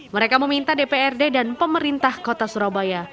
mereka meminta dprd dan pemerintah kota surabaya